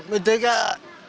merdeka itu apa